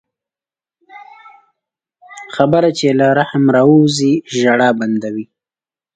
خبره چې له رحم راووځي، ژړا بندوي